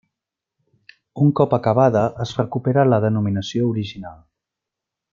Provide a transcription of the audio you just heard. Un cop acabada es recupera la denominació original.